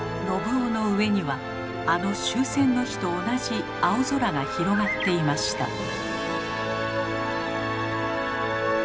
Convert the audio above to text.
信雄の上にはあの終戦の日と同じ青空が広がっていました。